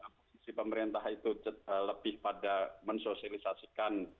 posisi pemerintah itu lebih pada mensosialisasikan